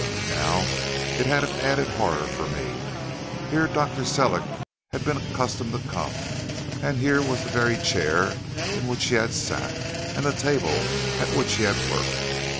Now it had an added horror for me. Here Dr. Sellick had been accustomed to come, and here was the very chair in which he had sat, and the table at which he had worked.